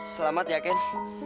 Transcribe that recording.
selamat ya ken